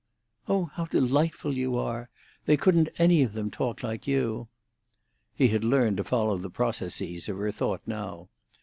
"Oh, how delightful you are! They couldn't any of them talk like you." He had learned to follow the processes of her thought now.